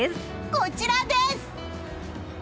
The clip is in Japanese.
こちらです！